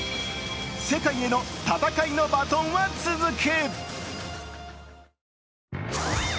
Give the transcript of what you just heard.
世界への戦いのバトンは続く。